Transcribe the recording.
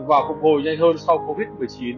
và phục hồi nhanh hơn sau covid một mươi chín